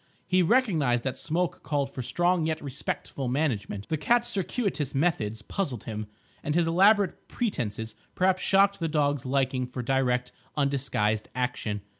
He recognised that Smoke called for strong yet respectful management. The cat's circuitous methods puzzled him, and his elaborate pretences perhaps shocked the dog's liking for direct, undisguised action.